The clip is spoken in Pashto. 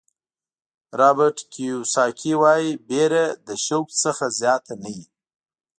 رابرټ کیوساکي وایي وېره له شوق څخه زیاته نه وي.